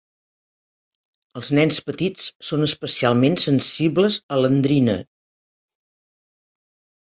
Els nens petits són especialment sensibles a l'endrina.